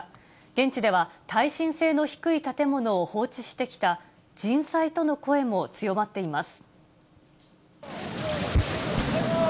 現地では、耐震性の低い建物を放置してきた人災との声も強まっています。